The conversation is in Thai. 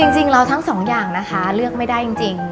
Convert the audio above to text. จริงเราทั้งสองอย่างนะคะเลือกไม่ได้จริง